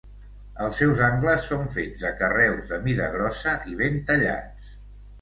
Els seus angles són fets de carreus de mida grossa i ben tallats.